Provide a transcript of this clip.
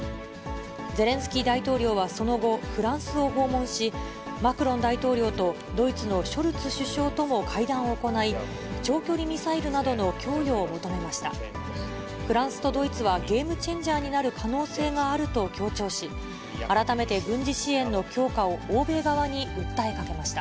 ゼレンスキー大統領はその後、フランスを訪問し、マクロン大統領とドイツのショルツ首相とも会談を行い、長距離ミサイルなどの供与を求めました。